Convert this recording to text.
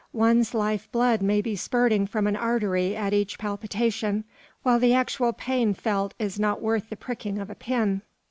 One's life blood may be spurting from an artery at each palpitation, while the actual pain felt is not worth the pricking of a pin.